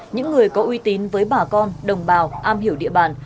những người có uy tín với bà con đồng bào am hiểu địa bàn